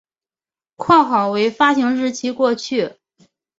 括号为发行日期过去